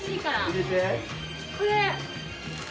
これ。